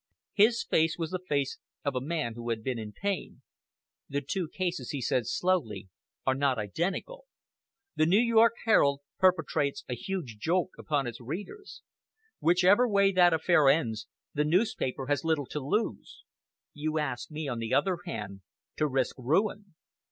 His face was the face of a man who had been in pain. "The two cases," he said slowly, "are not identical. The New York Herald perpetrates a huge joke upon its readers. Whichever way that affair ends, the newspaper has little to lose! You ask me, on the other hand, to risk ruin!"